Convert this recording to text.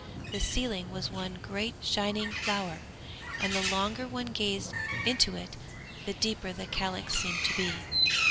The ceiling was one great shining flower, and the longer one gazed into it the deeper the calyx seemed to be.